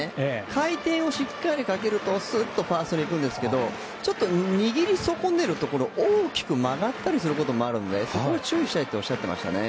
回転をしっかりかけるとスッとファーストに行くんですがちょっと握り損ねるところ大きく曲がったりすることもあるのでそこを注意したいとおっしゃっていましたね。